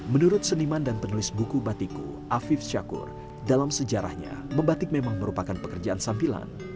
menurut seniman dan penulis buku batiku afif syakur dalam sejarahnya membatik memang merupakan pekerjaan sambilan